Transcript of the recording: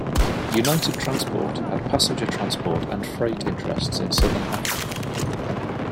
United Transport had passenger transport and freight interests in southern Africa.